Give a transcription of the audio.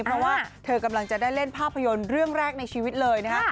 เพราะว่าเธอกำลังจะได้เล่นภาพยนตร์เรื่องแรกในชีวิตเลยนะฮะ